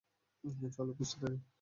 চলো খুঁজতে থাকি।